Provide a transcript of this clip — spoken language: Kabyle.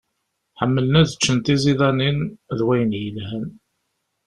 Ḥemmlen ad ččen tiẓidanin d wayen yelhan.